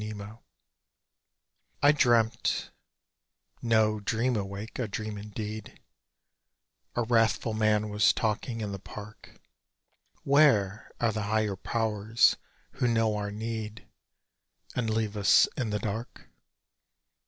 IN SLEEP I dreamt (no "dream" awake—a dream indeed) A wrathful man was talking in the park: "Where are the Higher Powers, who know our need And leave us in the dark?